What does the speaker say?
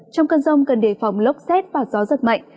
trong cơn rông cần đề phòng lốc xét và gió giật mạnh